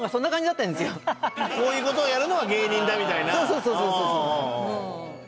だからこういう事をやるのは芸人だみたいな。